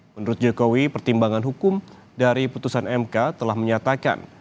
menurut jokowi pertimbangan hukum dari putusan mk telah menyatakan